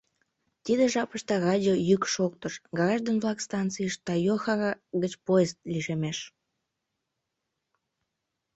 Тиде жапыште радио йӱк шоктыш: «Граждан-влак, станцийыш Тойохара гыч поезд лишемеш!»